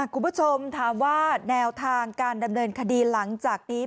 คุณผู้ชมถามว่าแนวทางการดำเนินคดีหลังจากนี้